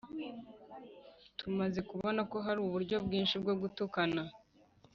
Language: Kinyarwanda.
tumaze kubona ko hariho uburyo bwinshi bwo gutukana,